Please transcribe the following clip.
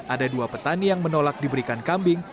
ada dua petani yang menolak diberikan kambing